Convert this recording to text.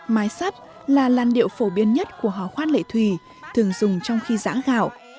mái sắt là làn điệu phổ biến nhất của hò khoan lệ thủy thường dùng trong khi giã gạo